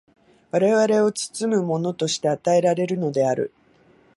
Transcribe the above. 我々を包むものとして与えられるのである。